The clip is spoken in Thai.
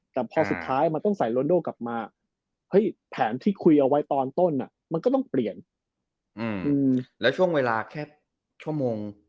แต่พอสุดท้ายมันต้องใส่โลโดกลับมาเฮ้ยแผนที่คุยเอาไว้ตอนต้นมันก็ต้องเปลี่ยนแล้วช่วงเวลาแค่ชั่วโมง